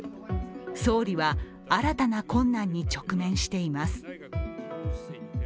総理は新たな困難に直面しています。